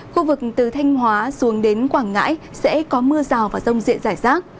khu vực từ thanh hóa xuống đến quảng ngãi sẽ có mưa rào và rông diện rải rác